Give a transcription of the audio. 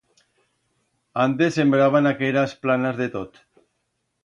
Antes sembraban aqueras planas de tot.